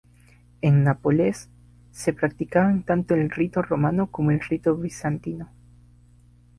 En Nápoles se practicaban tanto el rito romano como el rito bizantino.